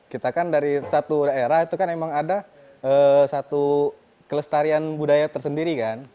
kita kan dari satu daerah itu kan memang ada satu kelestarian budaya tersendiri kan